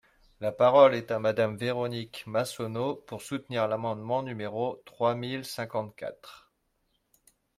La parole est à Madame Véronique Massonneau, pour soutenir l’amendement numéro trois mille cinquante-quatre.